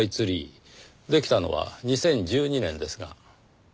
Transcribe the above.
できたのは２０１２年ですが。